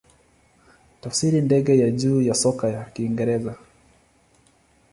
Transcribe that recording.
Tafsiri ndege ya juu ya soka ya Kiingereza.